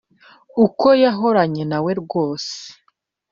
uko yahoranye na rwoga.